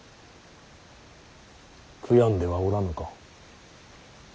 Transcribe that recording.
悔やんではおらぬか。